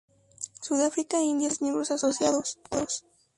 Sudáfrica e India son países miembros asociados.